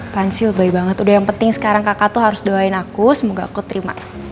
pansil baik banget udah yang penting sekarang kakak tuh harus doain aku semoga aku terima